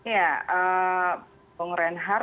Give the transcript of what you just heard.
ya pung renhar